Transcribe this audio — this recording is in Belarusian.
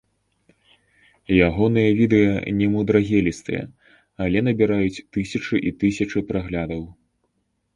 Ягоныя відэа немудрагелістыя, але набіраюць тысячы і тысячы праглядаў.